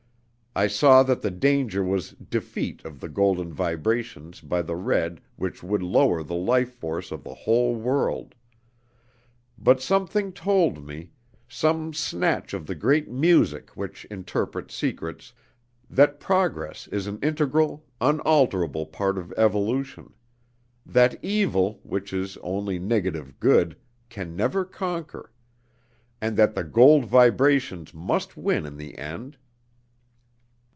I saw that the danger was defeat of the golden vibrations by the red which would lower the life force of the whole world; but something told me some snatch of the great music which interprets secrets that progress is an integral, unalterable part of evolution; that evil, which is only negative good, can never conquer; and that the gold vibrations must win in the end.